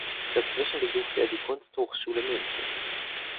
Dazwischen besuchte er die Kunsthochschule München.